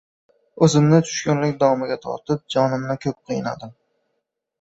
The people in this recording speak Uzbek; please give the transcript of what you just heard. O`zimni tushkunlik domiga tortib, jonimni ko`p qiynadim